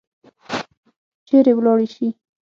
چیرې ولاړي شي؟